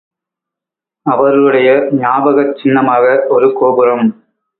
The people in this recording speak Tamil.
அவருடைய ஞாபகச் சின்னமாக ஒரு கோபுரம்.